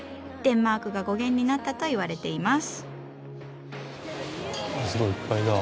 デンマークが語源になったと言われています。